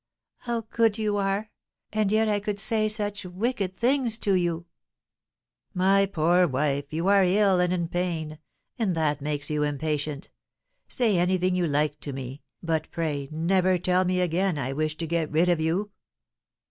"How good you are! and yet I could say such wicked things to you!" "My poor wife, you are ill and in pain, and that makes you impatient; say anything you like to me, but pray never tell me again I wish to get rid of you!"